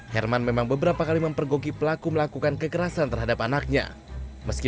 herman memang beberapa kali mempergoki pelaku melakukan kekerasan terhadap anaknya meski